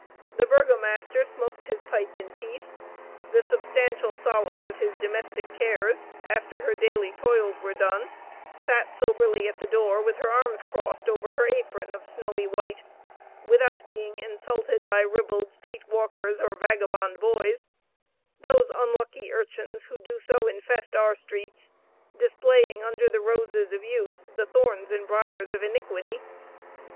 The burgomaster smoked his pipe in peace; the substantial solace of his domestic cares, after her daily toils were done, sat soberly at the door, with her arms crossed over her apron of snowy white without being insulted by ribald street walkers or vagabond boys those unlucky urchins who do so infest our streets, displaying under the roses of youth the thorns and briars of iniquity.